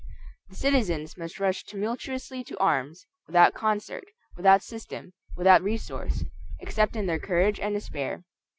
The citizens must rush tumultuously to arms, without concert, without system, without resource; except in their courage and despair.